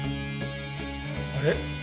あれ？